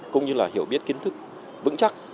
cũng như hiểu biết kiến thức vững chắc